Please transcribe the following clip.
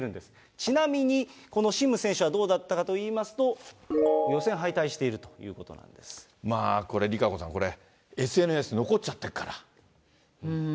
ちなみにこのシム選手はどうだったかと言いますと、予選敗退してこれ、ＲＩＫＡＣＯさん、これ、ＳＮＳに残っちゃってるから。